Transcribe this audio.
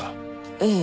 ええ。